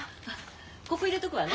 ここ入れとくわね。